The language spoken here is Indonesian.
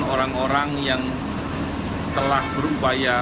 orang orang yang telah berupaya